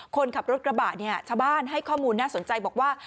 คนขับรถกระบะเนี่ยชาวบ้านให้ข้อมูลน่าสนใจบอกว่า